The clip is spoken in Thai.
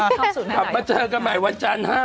เข้าสู่ที่ไหนค่ะกลับมาเจอกันใหม่วันจันทร์